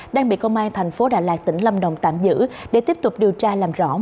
đang bị công an tp đà lạt tỉnh lâm đồng tạm giữ để tiếp tục điều tra làm rõ